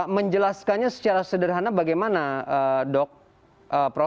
menjelaskannya secara sederhana bagaimana dok prof